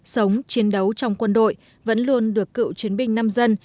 sống chiến đấu trong quân đội vẫn luôn được cựu chiến binh nam dân